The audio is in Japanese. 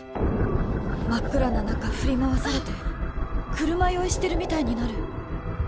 真っ暗な中振り回されて車酔いしてるみたいになる！